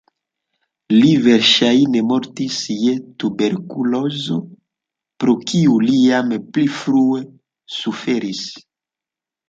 Li verŝajne mortis je tuberkulozo, pro kiu li jam pli frue suferis.